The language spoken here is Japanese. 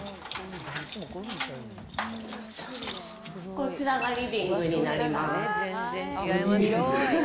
こちらがリビングになります。